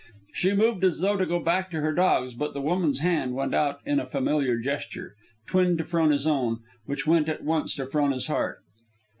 She moved as though to go back to her dogs, but the woman's hand went out in a familiar gesture, twin to Frona's own, which went at once to Frona's heart.